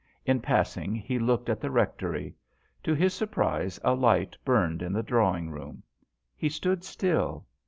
In passing he looked at the rectory. To his surprise a light burned in the drawing room. He stood still.